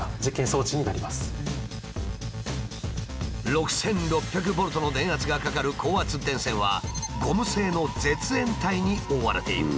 ６，６００ボルトの電圧がかかる高圧電線はゴム製の絶縁体に覆われている。